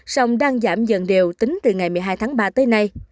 sông đang giảm dần đều tính từ ngày một mươi hai tháng ba tới nay